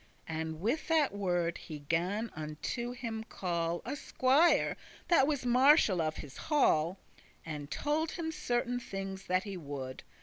And with that word he gan unto him call A squier, that was marshal of his hall, And told him certain thinges that he wo'ld.